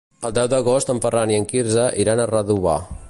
El deu d'agost en Ferran i en Quirze iran a Redovà.